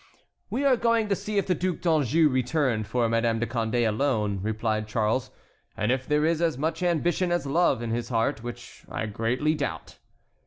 "We are going to see if the Duc d'Anjou returned for Madame de Condé alone," replied Charles, "and if there is as much ambition as love in his heart, which I greatly doubt."